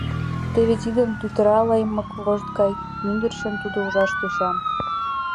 Теве тидым тӱтыра лаймык вошт гай мӱндырчын тудо ужаш тӧча.